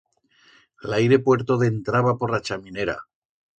L'aire puerto dentraba por a chaminera.